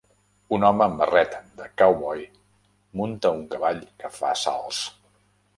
Un home amb barret de cowboy munta un cavall que fa salts.